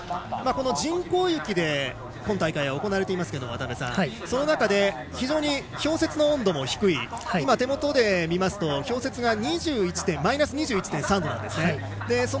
人工雪で今大会は行われていますけれどもその中で、非常に氷雪の温度も低い手元で見ますと氷雪がマイナス２１．３度。